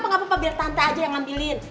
gak apa apa biar tante aja yang ngambilin